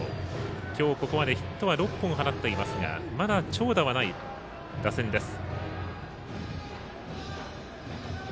今日、ここまでヒットは６本放っていますがまだ長打はない打線です。